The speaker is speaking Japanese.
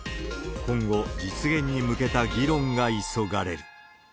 今後、実現に向けた議論が急がれる。